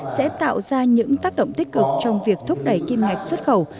sẽ tạo ra những tác động tích cực trong việc thúc đẩy kim ngạch xuất khẩu